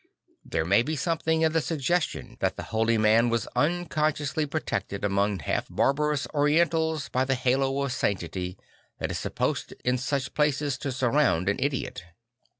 There ma y be something in the suggestion tha t the holy man was unconsciously protected among half barbarous orientals by the halo of sanctity tha t is supposed in such places to surround an idiot.